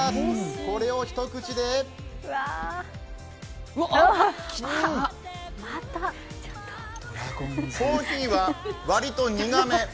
これを一口でコーヒーは割と苦め。